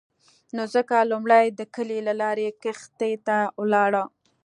نو ځکه لومړی د کلي له لارې کښتۍ ته ولاړو.